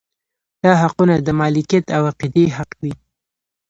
دا حقونه د مالکیت او عقیدې حق وي.